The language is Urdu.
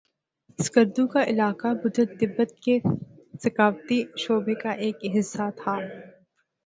اسکردو کا علاقہ بدھت تبت کے ثقافتی شعبے کا ایک حصہ تھا